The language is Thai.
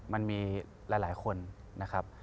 มันมีหลายคนนะครับ